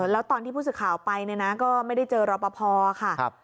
แล้วตอนที่ผู้สิทธิ์ข่าวไปก็ไม่ได้เจอรอปภค่ะ